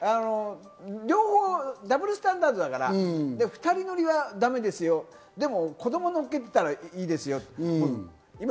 両方、ダブルスタンダードだから、２人乗りはだめですよ、でも、子供を乗っけてたらいいですよ。